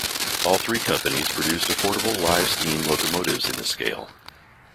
All three companies produced affordable live steam locomotives in this scale.